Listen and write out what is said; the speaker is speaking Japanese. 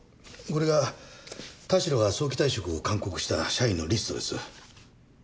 これが田代が早期退職を勧告した社員のリストです。